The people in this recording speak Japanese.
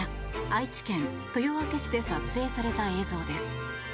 愛知県豊明市で撮影された映像です。